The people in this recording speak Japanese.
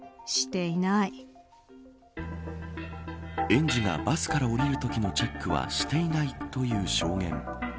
園児がバスから降りるときのチェックはしていないという証言。